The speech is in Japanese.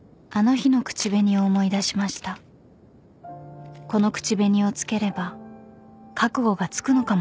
［この口紅をつければ覚悟がつくのかもしれません］